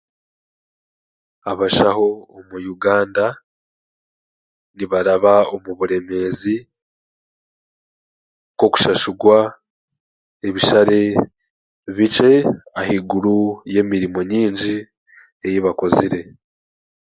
Abashaho omu Uganda nibaraba omu bureemeezi nk'okushashugwa ebishare bikye ahaiguru y'emirimo nyaingi ei baakozire